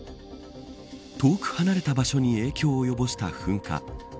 遠く離れた場所に影響を及ぼした噴火。